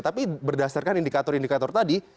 tapi berdasarkan indikator indikator tadi